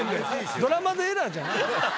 ドラマでエラーじゃない。